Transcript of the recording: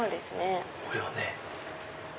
これをね。